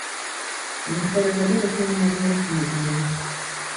У некаторыя гады расліна можа не расці над зямлёй.